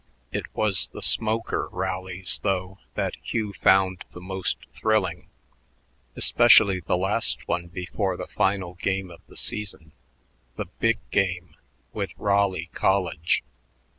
It was the smoker rallies, though, that Hugh found the most thrilling, especially the last one before the final game of the season, the "big game" with Raleigh College.